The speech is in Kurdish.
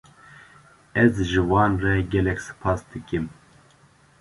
Ez ji wan re gelek spas dikim.